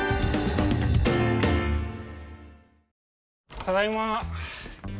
ただいま。